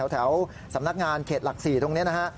แถวสำนักงานเขตหลัก๔ตรงนี้นะฮะ